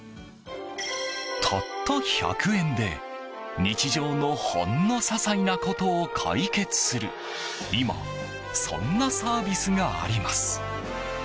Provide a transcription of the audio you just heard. たった１００円で日常のほんの些細なことを解決する今、そんなサービスがあります。